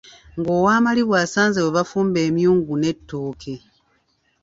Ng'owamalibu asanze we bafumba emyungu n'ettooke.